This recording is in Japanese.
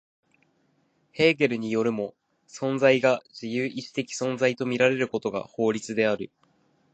ヘーゲルによるも、存在が自由意志的存在と見られることが法律である。